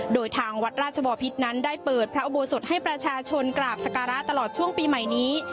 โดยทางวัดราชบอพิษนั้นได้เปิดพระอุโบสถให้ประชาชนกราบสการะตลอดช่วงปีใหม่นี้